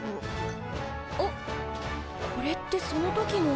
あっこれってその時の。